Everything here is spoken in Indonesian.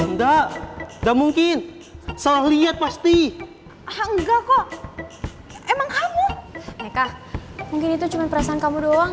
nggak mungkin salah lihat pasti enggak kok emang kamu mereka mungkin itu cuma perasaan kamu doang